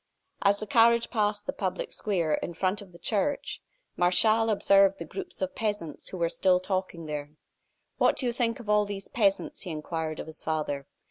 As the carriage passed the public square in front of the church, Martial observed the groups of peasants who were still talking there. "What do you think of all these peasants?" he inquired of his father.